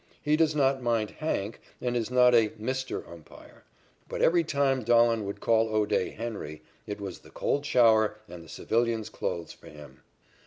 He does not mind "Hank" and is not a "Mister" umpire. But every time Dahlen would call O'Day "Henry" it was the cold shower and the civilian's clothes for his.